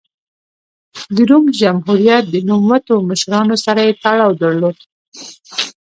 د روم جمهوریت د نوموتو مشرانو سره یې تړاو درلود